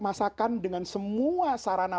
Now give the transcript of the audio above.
masakan dengan semua sarana